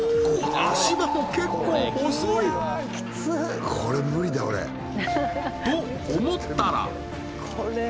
足場も結構細い！と思ったら！